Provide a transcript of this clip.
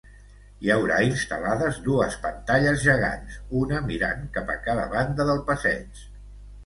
Hi haurà instal·lades dues pantalles gegants, una mirant cap a cada banda del passeig.